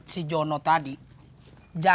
satu hari gelap